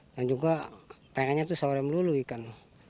dan juga pengennya tuh sore melulu ikan